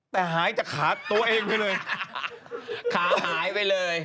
แต่หายจากขาตัวเองไปเลย